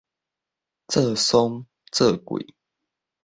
做參做桂